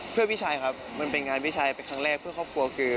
เพื่อพี่ชัยครับมันเป็นงานพี่ชัยเป็นครั้งแรกเพื่อครอบครัวคือ